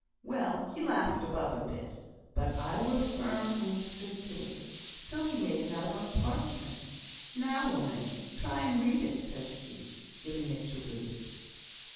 Well! he laughed above a bit, but I were firm, and stood to it. So he made it out on parchment. Now, woman, try and read it!" said she, giving it to Ruth.